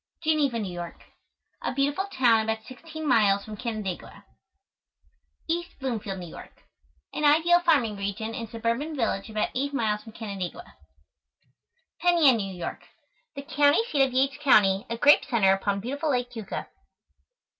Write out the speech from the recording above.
GENEVA, NEW YORK. A beautiful town about 16 miles from Canandaigua. EAST BLOOMFIELD, NEW YORK. An ideal farming region and suburban village about 8 miles from Canandaigua. PENN YAN, NEW YORK. The county seat of Yates County, a grape center upon beautiful Lake Keuka.